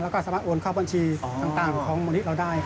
แล้วก็สามารถโอนเข้าบัญชีต่างของมูลนิธิเราได้